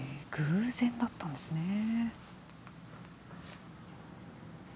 偶然だったんですね。